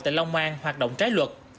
tại long an hoạt động trái luật